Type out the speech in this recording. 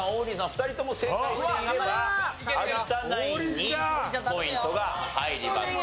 ２人とも正解していれば有田ナインにポイントが入ります。